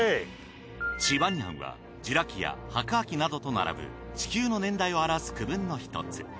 チバニアンはジュラ紀や白亜紀などと並ぶ地球の年代を表す区分の１つ。